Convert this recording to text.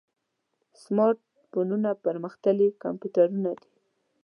سمارټ فونونه پرمختللي کمپیوټرونه دي.